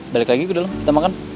balik lagi gue dulu kita makan